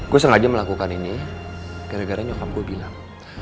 gue sengaja melakukan ini gara gara nyokam gue bilang